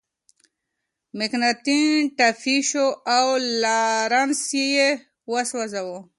مکناتن ټپي شو او لارنس یې وسوځاوه.